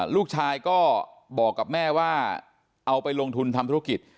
ลูกชายก็บอกกับแม่ว่าเอาไปลงทุนทำธุรกิจ